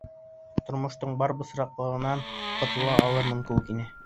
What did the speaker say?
Тормоштоң бар бысраҡтарынан ҡотола алырмын кеүек ине.